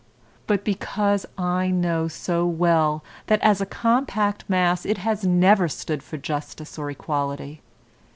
But because I know so well that as a compact mass it has never stood for justice or equality.